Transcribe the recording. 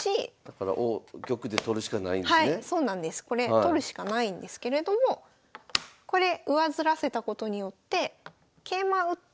取るしかないんですけれどもこれ上ずらせたことによって桂馬打って。